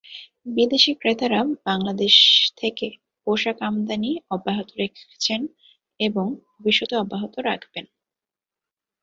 বিদেশি ক্রেতারা বাংলাদেশ থেকে পোশাক আমদানি অব্যাহত রেখেছেন এবং ভবিষ্যতেও অব্যাহত রাখবেন।